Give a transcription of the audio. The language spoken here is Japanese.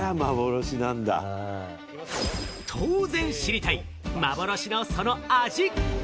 当然知りたい、幻のその味。